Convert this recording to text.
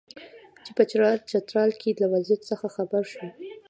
چې په چترال کې له وضعیت څخه خبر شو.